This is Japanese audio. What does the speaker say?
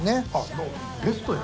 もうベストや。